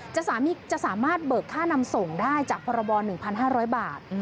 จะสามารถเบิกค่านำส่งได้จากพรบ๑๕๐๐บาท